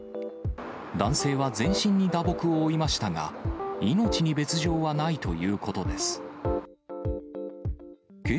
男性は全身に打撲を負いましたが、命に別状はないということです。